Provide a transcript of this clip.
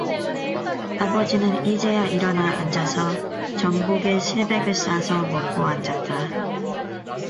아버지는 이제야 일어나 앉아서 전복에 실백을 싸서 먹고 앉았다.